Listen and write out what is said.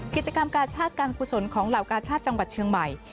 กิจกรรมกาชาติการกุศลของเหล่ากาชาติจังหวัดเชียงใหม่